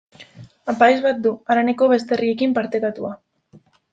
Apaiz bat du, haraneko beste herriekin partekatua.